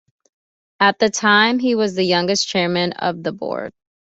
At the time he was the youngest chairman of the Board.